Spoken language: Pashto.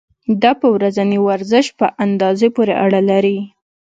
دا په ورځني ورزش په اندازې پورې اړه لري.